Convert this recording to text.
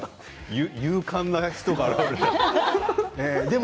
勇敢な人が現れた。